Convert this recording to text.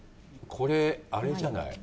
これあれじゃない？